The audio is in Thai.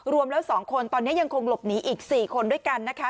รวมแล้ว๒คนตอนนี้ยังคงหลบหนีอีก๔คนด้วยกันนะคะ